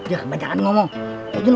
jangan banyak ngomong